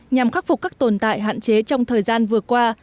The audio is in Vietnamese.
nhằm khắc phục các tồn tại hạn chế trong thời gian vừa qua